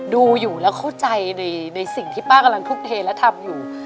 ดูอยู่แล้วเข้าใจในสิ่งที่ป้ากำลังทุ่มเทและทำอยู่